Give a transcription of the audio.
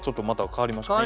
変わりましたよね。